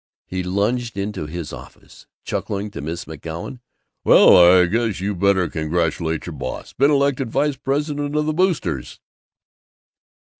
He lunged into his office, chuckling to Miss McGoun, "Well, I guess you better congratulate your boss! Been elected vice president of the Boosters!"